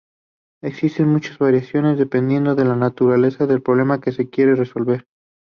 Existen muchas variaciones dependiendo de la naturaleza del problema que se quiera resolver.